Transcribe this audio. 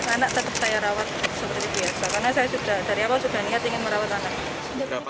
anak saya rawat seperti biasa karena saya dari awal sudah ingat ingin merawat anak